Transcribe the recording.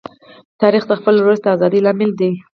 تاریخ د خپل ولس د ازادۍ لامل دی.